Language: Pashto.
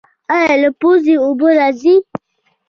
ایا له پوزې اوبه راځي؟